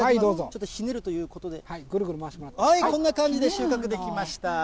ちょっとひねるということで、ぐるぐる回して、こんな感じで収穫できました。